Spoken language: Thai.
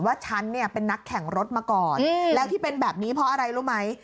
ฉันเนี่ยเป็นนักแข่งรถมาก่อนแล้วที่เป็นแบบนี้เพราะอะไรรู้ไหม